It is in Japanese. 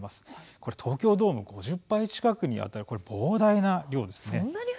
これ東京ドーム５０杯近くにあたる膨大な量です。